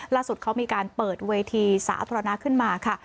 ล่าสุดเขามีการเปิดเวทีสาธารณะขึ้นมาค่ะ